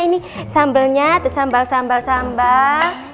ini sambelnya sambal sambal sambal